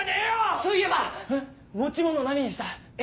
そういえば持ち物何にした？え？